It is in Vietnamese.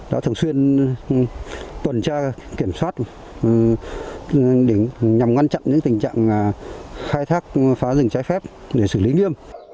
đã thường xuyên tuần tra kiểm soát nhằm ngăn chặn những tình trạng khai thác phá rừng trái phép để xử lý nghiêm